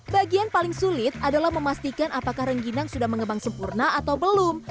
bagian paling sulit adalah memastikan apakah rengginang sudah mengembang sempurna atau belum